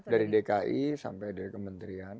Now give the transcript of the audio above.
dari dki sampai dari kementerian